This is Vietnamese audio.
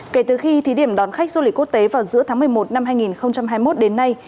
kể từ khi thí điểm đón khách du lịch quốc tế vào giữa tháng một mươi một năm hai nghìn hai mươi một đến nay